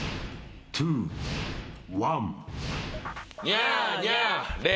ニャーニャー。